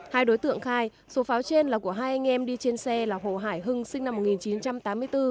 hai đối tượng khai số pháo trên là của hai anh em đi trên xe là hồ hải hưng sinh năm một nghìn chín trăm tám mươi bốn